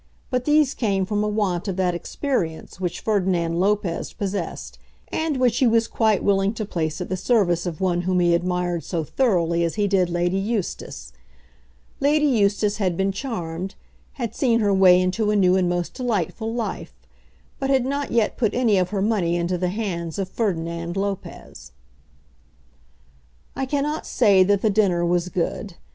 But these came from a want of that experience which Ferdinand Lopez possessed, and which he was quite willing to place at the service of one whom he admired so thoroughly as he did Lady Eustace. Lady Eustace had been charmed, had seen her way into a new and most delightful life, but had not yet put any of her money into the hands of Ferdinand Lopez. I cannot say that the dinner was good.